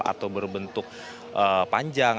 atau berbentuk panjang